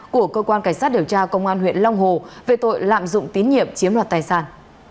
của cơ quan cảnh sát điều tra công an huyện long hồ về tội lạm dụng tín nhiệm chiếm đoạt tài sản